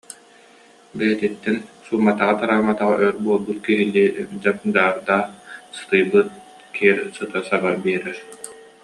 Бэйэтиттэн, суумматаҕа-тараамматаҕа өр буолбут киһилии дьап-дьаардаах, сытыйбыт, кир сыта саба биэрэр